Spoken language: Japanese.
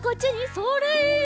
それ！